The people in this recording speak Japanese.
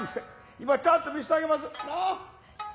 今ちゃんと見せてあげます。